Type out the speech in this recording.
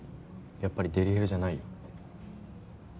やっぱりデリヘルじゃないよ。